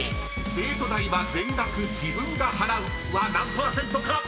デート代は全額自分が払うは何％か？］